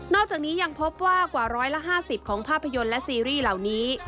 อกจากนี้ยังพบว่ากว่า๑๕๐ของภาพยนตร์และซีรีส์เหล่านี้